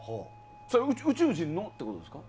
それは宇宙人もってことですか？